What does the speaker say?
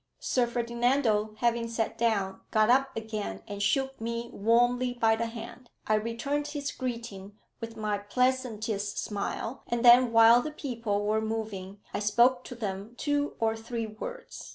Sir Ferdinando having sat down, got up again and shook me warmly by the hand. I returned his greeting with my pleasantest smile; and then, while the people were moving, I spoke to them two or three words.